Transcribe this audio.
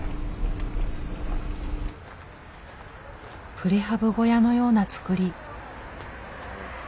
プレハブ小屋のような造り。